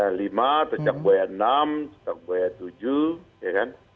nanti ada cecak buaya lima cecak buaya enam cecak buaya tujuh ya kan